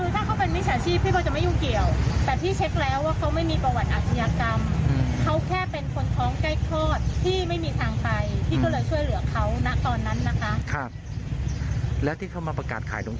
ด้วยหลายสถานการณ์ที่เขาบอกเรามามันไม่ตรง